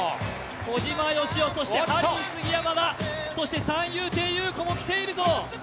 小島よしお、ハリー杉山が、そして三遊亭遊子も来ているぞ。